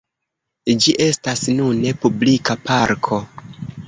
Ĝi estas nune publika parko.